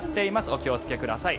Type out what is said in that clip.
お気をつけください。